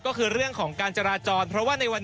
ก็คือเรื่องของการจราจร